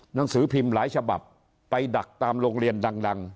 หนังสือพิมพ์หลายฉบับไปดักตามโรงเรียนดัง